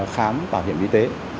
khám bảo hiểm y tế